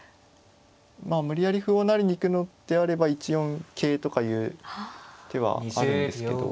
まあ無理やり歩を成りに行くのであれば１四桂とかいう手はあるんですけど。